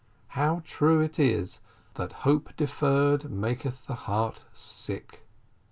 How true it is that hope deferred maketh the heart sick!